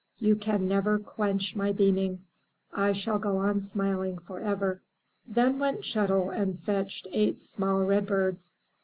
You can never quench my beaming. I shall go on smiling forever." Then went Chet'l and fetched eight small redbirds.